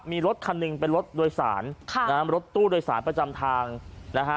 มีรถคันหนึ่งเป็นรถโดยสารค่ะนะฮะรถตู้โดยสารประจำทางนะฮะ